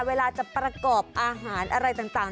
เวลาจะประกอบอาหารอะไรต่าง